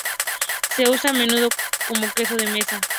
Se usa a menudo como queso de mesa.